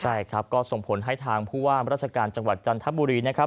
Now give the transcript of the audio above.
ใช่ครับก็ส่งผลให้ทางผู้ว่ามราชการจังหวัดจันทบุรีนะครับ